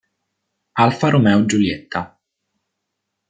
Alfa Romeo Giulietta